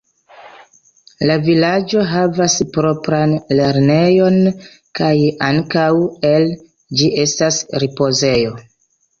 La vilaĝo havis propran lernejon, kaj ankaŭ el ĝi estas ripozejo.